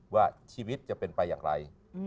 ว่าชีวิตจะเป็นไปอย่างไร